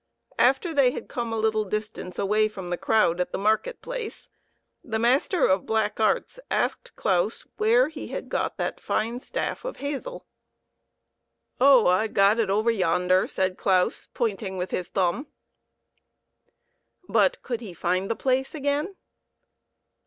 After they had come a little distance away from the crowd at the market place, the master of black arts asked Claus where he had got that fine staff of hazel. "Oh, I got it over yonder," said Claus, pointing with his thumb. But could he find the place again